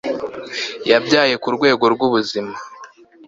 yabyaye kurwego rwubuzima